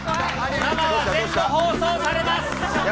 生は全部放送されます。